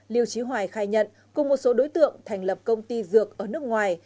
liêu trí hoài khai nhận cùng một số đối tượng thành lập công ty dược ở nước ngoài